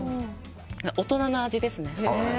大人な味ですね。